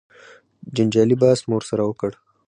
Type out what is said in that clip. جنجالي بحث مو ورسره وکړ.